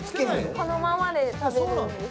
このままで食べるんです。